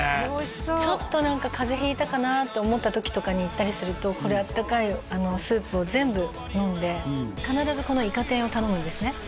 これおいしそうちょっと何か風邪ひいたかなって思った時とかに行ったりするとこれあったかいスープを全部飲んで必ずこのイカ天を頼むんですね